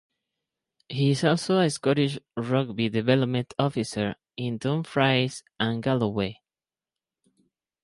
He is also a Scottish Rugby development officer in Dumfries and Galloway.